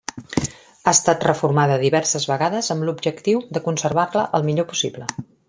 Ha estat reformada diverses vegades amb l'objectiu de conservar-la el millor possible.